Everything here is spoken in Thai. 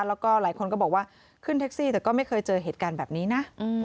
แล้วก็หลายคนก็บอกว่าขึ้นแท็กซี่แต่ก็ไม่เคยเจอเหตุการณ์แบบนี้นะ